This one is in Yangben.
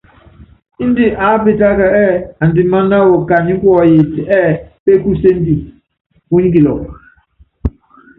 Índɛ aápitáka ɛɛ́ andiman wawɔ kanyikuɔyit ɛɛ́ pékusendi, punyi kilɔk.